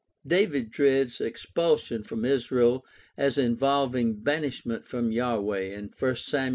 David dreads expulsion from Israel as involving banishment from Yahweh (I Sam.